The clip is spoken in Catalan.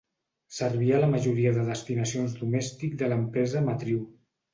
Servia la majoria de destinacions domèstic de l'empresa matriu.